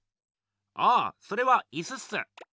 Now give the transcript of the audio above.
ああそれは椅子っす。